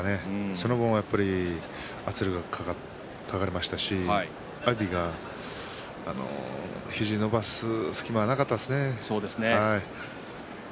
そのあと圧力かかりましたし阿炎は肘を伸ばす隙間なかったですね。